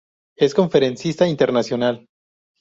Es conferencista internacional.